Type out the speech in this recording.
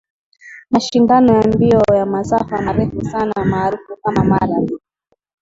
Mashindano ya mbio ya masafa marefu sana maarufu kama Marathon